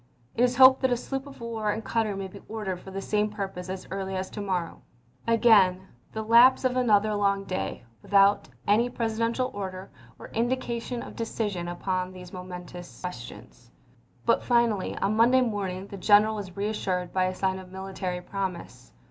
It is hoped that a sloop of war and cutter may be ordered for the same purpose as early as to morrow." Again the lapse of another long day without any Presidential order or indication of decision upon THE "STAR OF THE WEST" 89 these momentous questions. But finally, on Mon chap. vn. day morning, the general was reassured by a sign of military promise.